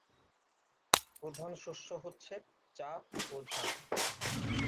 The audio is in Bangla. প্রধান শস্য হচ্ছে চা ও ধান।